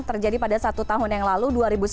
terjadi pada satu tahun yang lalu dua ribu sembilan belas